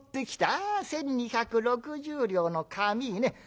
ああ１，２６０両の紙ね。